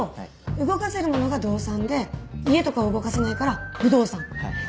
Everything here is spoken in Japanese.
動かせるものが動産で家とかは動かせないから不動産か。